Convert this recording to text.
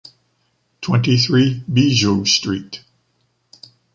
Twenty-three Bijoux street